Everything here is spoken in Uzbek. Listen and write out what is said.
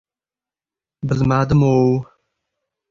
Bilmadimov.